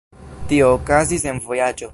Tio okazis en vojaĝo.